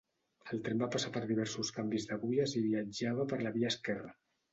El tren va passar per diversos canvis d'agulles i viatjava per la via esquerra.